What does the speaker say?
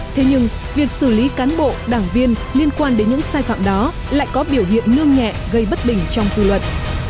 thế nhưng việc xử lý cán bộ đảng viên liên quan đến những sai phạm đó lại có biểu hiện nương nhẹ gây bất bình trong dư luận